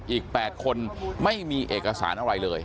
อีก๘คนไม่มีเอกสารอะไรเลย